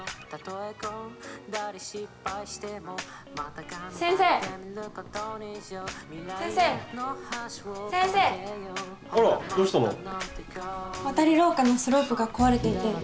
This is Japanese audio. わたりろうかのスロープが壊れていて。